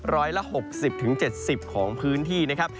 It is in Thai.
ร้อยละ๖๐๗๐ของพื้นที่นะครับ